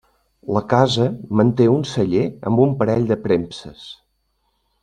La casa manté un celler amb un parell de premses.